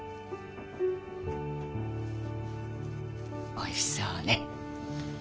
おいしそうね。